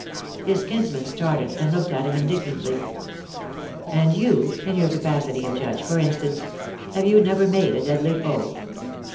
His kinsman started and looked at him indignantly. "And you — in your capacity of judge, for instance — have you never made a deadly foe?"